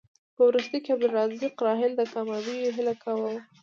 په وروستیو کې د عبدالرزاق راحل د کامیابیو هیله کوو.